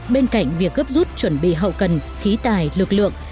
bên cạnh việc gấp rút chuẩn bị hậu cần khí tài lực lượng